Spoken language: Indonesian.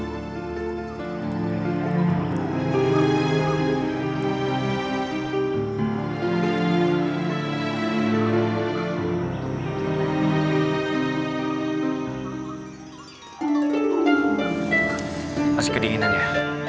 masih kedinginan ya